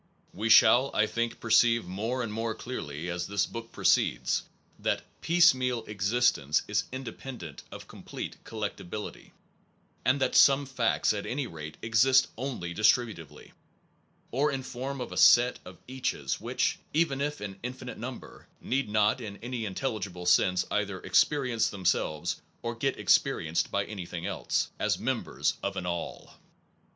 We shall, I think, perceive more and more clearly as this book proceeds, that piecemeal existence is independent of complete collectibility, and that some facts, at any rate, exist only distributively, or in form of a set of caches which (even if in infinite number) need not in any intelligible sense either experience themselves, or get experi enced by anything else, as members of an All.